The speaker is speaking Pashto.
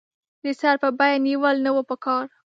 د سر په بیه نېول نه وو پکار.